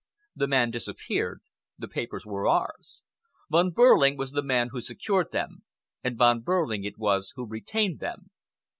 The man disappeared—the papers were ours. Von Behrling was the man who secured them, and Von Behrling it was who retained them.